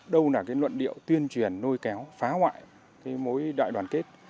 đâu là cái luận điệu tuyên truyền nôi kéo phá hoại cái mối đại đoàn kết